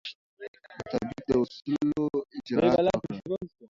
مطابق د اصولو اجرات وکړه.